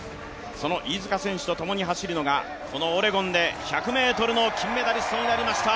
その飯塚選手とともに走るのがこのオレゴンで１００ｍの金メダリストになりました